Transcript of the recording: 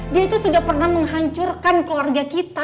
dia itu sudah pernah menghancurkan keluarga kita